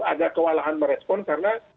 agak kewalahan merespon karena